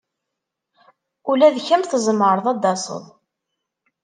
Ula d kemm tzemreḍ ad d-taseḍ.